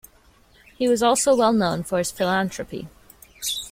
He was also well known for his philanthropy.